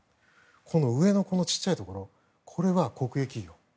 この上の小さいところは国営企業